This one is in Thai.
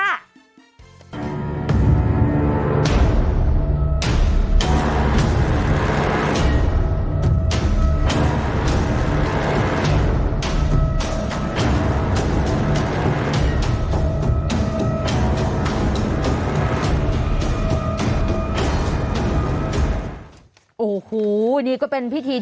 โอ้โหนี่ก็เป็นพิธีเจ้าเหนือเจ้า